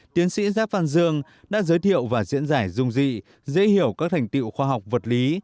tiến sĩ giáp văn dương đã giới thiệu và diễn giải dung dị dễ hiểu các thành tiệu khoa học vật lý